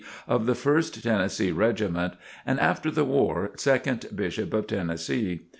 of the First Tennessee Regiment, and after the war, Second Bishop of Tennessee.